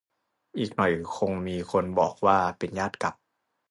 อีกหน่อยคงมีคนบอกว่า เป็นญาติกับ